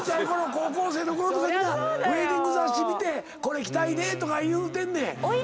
高校生のころとか皆ウェディング雑誌見てこれ着たいねとか言うてんねん。